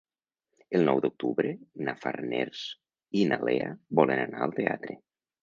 El nou d'octubre na Farners i na Lea volen anar al teatre.